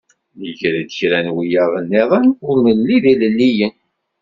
Nger-d kra n wiyaḍ-nniḍen ur nelli d ilelliyen.